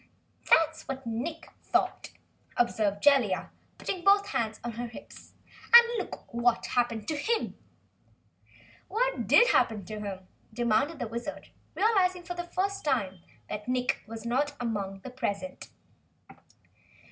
"That's what Nick thought," observed Jellia, putting both hands on her hips. "And look what happened to him!" "What did happen to him?" demanded the Wizard, realizing for the first time that Nick was not among those present.